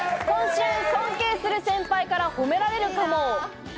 今週、尊敬する先輩から褒められるかも。